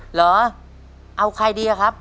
เหรอเอาใครดีอะครับ